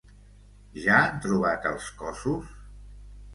Ja han trobat els cossos?